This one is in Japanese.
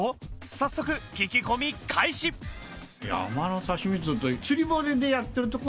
早速聞き込み開始おお。